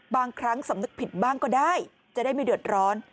บางครั้งสำนึกผิดบ้างก็ได้จะได้ไม่เดือดร้อน